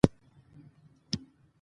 احمدشاه بابا د خپلو خلکو رښتینی خادم و.